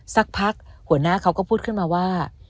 สักพักหัวหน้าเขาก็พูดขึ้นมาว่า